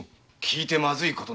聞いてまずいことなど。